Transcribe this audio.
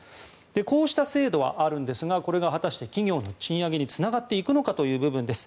こうした制度はあるんですがこれが果たして企業の賃上げにつながっていくのかという部分です。